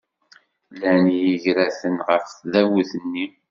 Llan yigraten ɣef tdabut-nni?